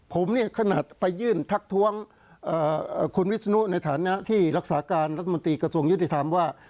ผมเนี่ยขนาดไปยื่นทักท้วงคุณวิศนุในฐานะที่รักษาการรัฐมนตรีกระทรวงยุติธรรมว่า